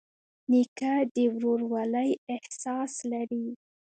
نیکه د ورورولۍ احساس لري.